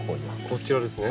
こちらですね。